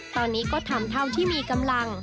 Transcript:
ตอนนี้ก็ทำเท่าที่มีกำลัง